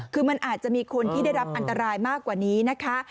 คือมันอาจจะมีคนที่ได้รับอันตรายมากกว่านี้นะคะ